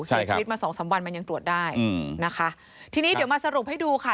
เสียชีวิตมาสองสามวันมันยังตรวจได้อืมนะคะทีนี้เดี๋ยวมาสรุปให้ดูค่ะ